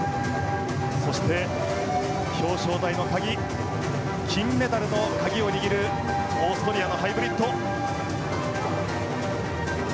そして、表彰台の鍵金メダルの鍵を握るオーストリアのハイブリッド。